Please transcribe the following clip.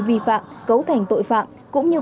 vi phạm cấu thành tội phạm cũng như